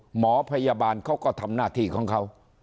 หมอพยาบาลเขาก็ทำหน้าที่ของเขา